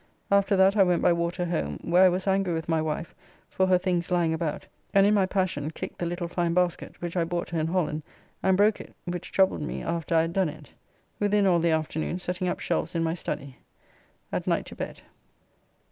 After that I went by water home, where I was angry with my wife for her things lying about, and in my passion kicked the little fine basket, which I bought her in Holland, and broke it, which troubled me after I had done it. Within all the afternoon setting up shelves in my study. At night to bed.